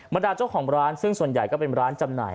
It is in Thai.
ดาเจ้าของร้านซึ่งส่วนใหญ่ก็เป็นร้านจำหน่าย